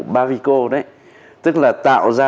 bavico đấy tức là tạo ra